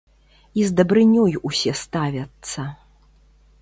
І з дабрынёй усе ставяцца.